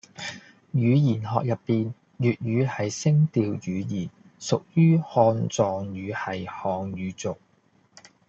語言學入邊，粵語係聲調語言，屬於漢藏語系漢語族